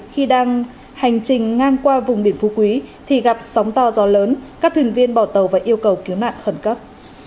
khi đang hành trình ngang qua vùng biển phú quý thì gặp sóng to gió lớn các thuyền viên bỏ tàu và yêu cầu cứu nạn khẩn cấp